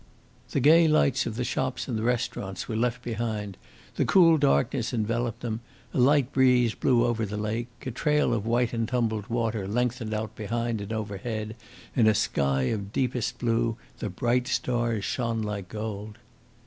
The gay lights of the shops and the restaurants were left behind, the cool darkness enveloped them; a light breeze blew over the lake, a trail of white and tumbled water lengthened out behind and overhead, in a sky of deepest blue, the bright stars shone like gold.